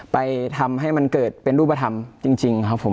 ไปทำให้มันเกิดเป็นรูปธรรมจริงครับผม